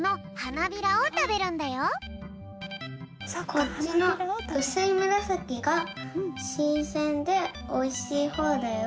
こっちのうすいむらさきがしんせんでおいしいほうだよ。